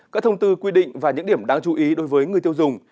các thông tư quy định và những điểm đáng chú ý đối với người tiêu dùng